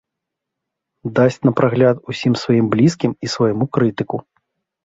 Дасць на прагляд усім сваім блізкім і свайму крытыку.